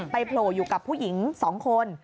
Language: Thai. โผล่อยู่กับผู้หญิง๒คน